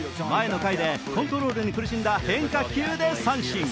前の回でコントロールに苦しんだ変化球で三振。